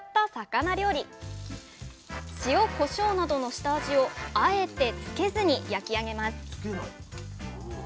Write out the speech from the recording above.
塩こしょうなどの下味をあえてつけずに焼き上げます